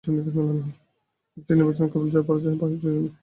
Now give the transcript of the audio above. একটি নির্বাচন কেবল জয় পরাজয় বা ভোটের হিসাব নিকাশ মেলানো নয়।